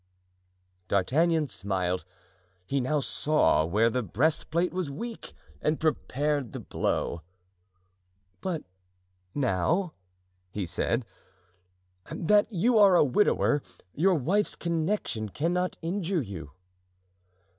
D'Artagnan smiled. He now saw where the breastplate was weak, and prepared the blow. "But now," he said, "that you are a widower, your wife's connection cannot injure you."